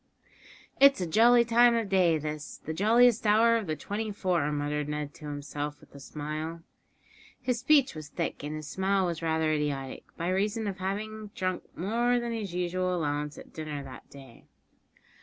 "It's a jolly time of day this the jolliest hour of the twenty four," muttered Ned to himself, with a smile. His speech was thick, and his smile was rather idiotic, by reason of his having drunk more than his usual allowance at dinner that day.